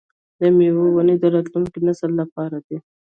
د میوو ونې د راتلونکي نسل لپاره دي.